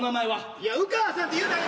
いや「烏川さん」って言うた今。